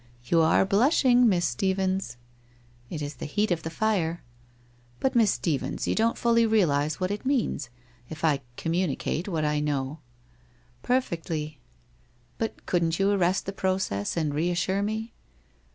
* You are blushing, Mise Stephens.' ' It is the heat of the fire.' 'But, Miss Stephens, you don't fully realize what it means — if I communicate what I know ?' 1 Perfectly.' ' But couldn't you arrest the process, and reassure me?'